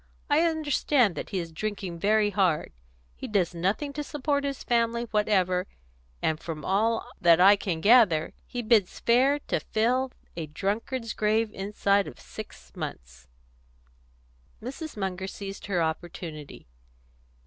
I understand that he is drinking very hard. He does nothing to support his family whatever, and from all that I can gather, he bids fair to fill a drunkard's grave inside of six months." Mrs. Munger seized her opportunity.